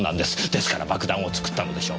ですから爆弾を作ったのでしょう。